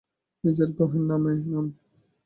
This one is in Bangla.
নিজের গ্রহের নামে নাম।